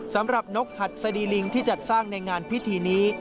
นกหัดสดีลิงที่จัดสร้างในงานพิธีนี้